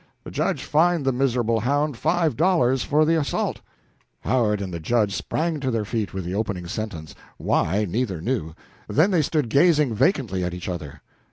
The judge fined the miserable hound five dollars for the assault." Howard and the Judge sprang to their feet with the opening sentence why, neither knew; then they stood gazing vacantly at each other.